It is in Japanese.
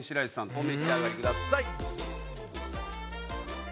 お召し上がりください。